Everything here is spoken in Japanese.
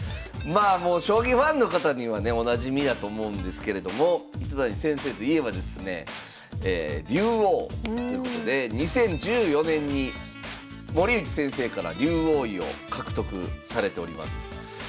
もう将棋ファンの方にはねおなじみやと思うんですけれども糸谷先生といえばですね「竜王」ということで２０１４年に森内先生から竜王位を獲得されております。